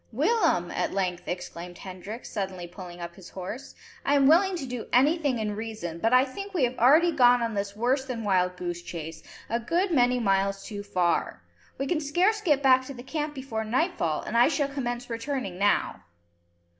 "Willem!" at length exclaimed Hendrik, suddenly pulling up his horse, "I am willing to do anything in reason, but I think we have already gone on this worse than wild goose chase, a good many miles too far. We can scarce get back to the camp before nightfall, and I shall commence returning now."